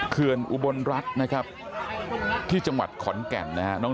เขื่อนอุบลรัฐนะครับที่จังหวัดขอนแก่นนะฮะ